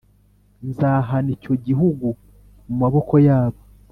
Nzahana icyo gihugu mu maboko yabo.”